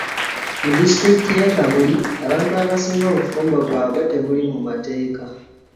Mu disitulikiti y'e Kamuli, abantu abasinga obufumbo bwabwe tebuli mu mateeka